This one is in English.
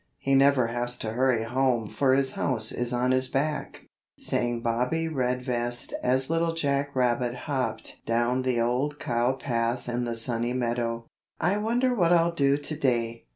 He never has to hurry home For his house is on his back, sang Bobbie Redvest as Little Jack Rabbit hopped down the Old Cow Path in the Sunny Meadow. "I wonder what I'll do to day?"